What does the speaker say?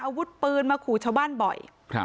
อาวุธปืนมาขู่ชาวบ้านบ่อย